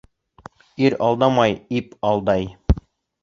Ир алдамай, ип алдай.